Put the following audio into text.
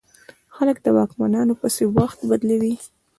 خلک د واکمنو پسې وخت بدلوي.